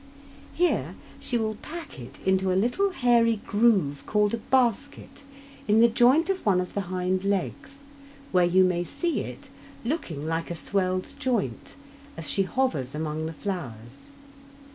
Here she will pack it into a little hairy groove called a "basket" in the joint of one of the hind legs, where you may see it, looking like a swelled joint, as she hovers among the flowers.